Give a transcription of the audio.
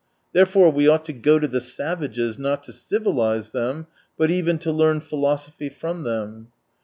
Therefore we ought to go to the savages, not to civilise them, but even to learn philosophy from them.